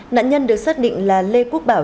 nạn nhân được xác định là lê quốc bảo